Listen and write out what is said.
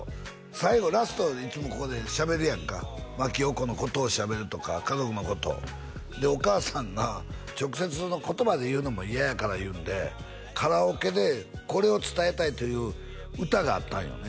最後ラストいつもここでしゃべるやんか真木よう子のことをしゃべるとか家族のことでお母さんが直接の言葉で言うのも嫌やからいうのでカラオケでこれを伝えたいという歌があったんよね